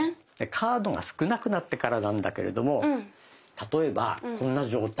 カードが少なくなってからなんだけれども例えばこんな状態。